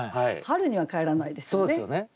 春には帰らないですよね。